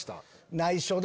内緒で。